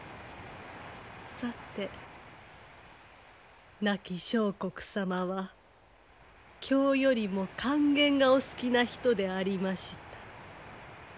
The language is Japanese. さて亡き相国様は経よりも管弦がお好きな人でありました。